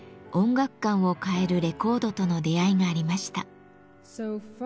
楽観を変えるレコードとの出会いがありました。